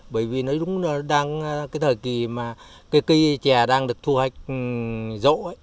bởi vì nó đúng là cái thời kỳ mà cây cây trẻ đang được thu hoạch rỗ ấy